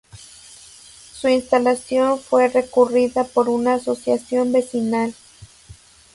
Su instalación fue recurrida por una asociación vecinal.